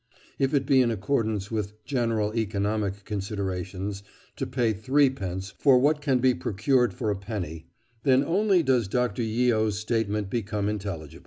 " If it be in accordance with "general economical considerations" to pay threepence for what can be procured for a penny, then only does Dr. Yeo's statement become intelligible.